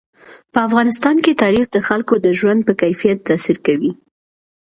په افغانستان کې تاریخ د خلکو د ژوند په کیفیت تاثیر کوي.